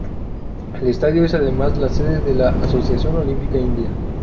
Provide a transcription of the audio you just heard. El estadio es además la sede de la Asociación Olímpica India.